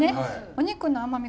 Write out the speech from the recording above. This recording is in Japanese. お肉の甘み